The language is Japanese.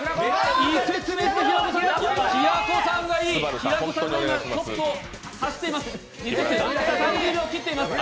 平子さんが今、トップを走っています。